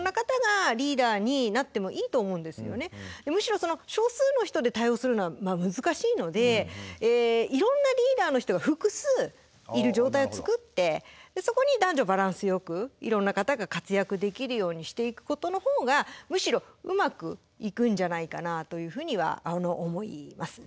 むしろ少数の人で対応するのは難しいのでいろんなリーダーの人が複数いる状態を作ってそこに男女バランスよくいろんな方が活躍できるようにしていくことのほうがむしろうまくいくんじゃないかなというふうには思います。